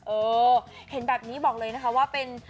เออเห็นแบบนี้บอกเลยนะคะว่าเป็น